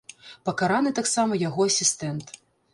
Пакараны таксама яго асістэнт.